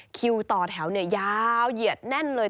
คิวต่อแถวยาวเหยียดแน่นเลย